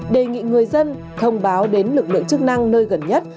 đề nghị người dân thông báo đến lực lượng chức năng nơi gần nhất